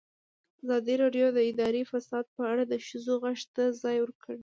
ازادي راډیو د اداري فساد په اړه د ښځو غږ ته ځای ورکړی.